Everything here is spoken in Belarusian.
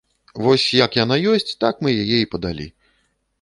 Вось як яна ёсць, так мы яе і падалі.